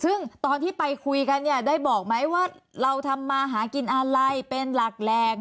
ซึ่งตอนที่ไปคุยกันเนี่ยได้บอกไหมว่าเราทำมาหากินอะไรเป็นหลักแหล่ง